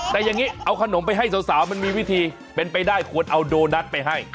แต่อย่างนี้เอาขนมไปให้สาวมันมีวิธีเป็นไปได้ควรเอาโดนัทไปให้